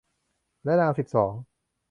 และนางสิบสอง